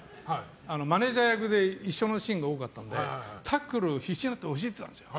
マネジャー役で一緒のシーンが多かったのでタックルを必死になって教えてたんです。